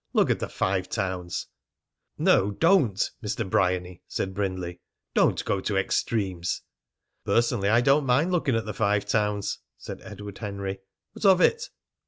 Look at the Five Towns!" "No, don't, Mr. Bryany!" said Brindley. "Don't go to extremes." "Personally, I don't mind looking at the Five Towns," said Edward Henry. "What of it?"